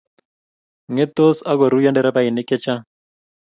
ngetsot ago ruiyo nderefainik chechang